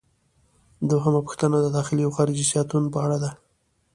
دوهمه پوښتنه د داخلي او خارجي سیاست په اړه ده.